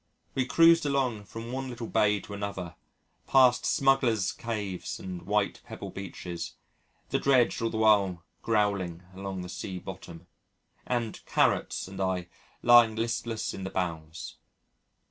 We cruised along from one little bay to another, past smugglers' caves and white pebble beaches, the dredge all the while growling along the sea bottom, and "Carrots" and I lying listless in the bows.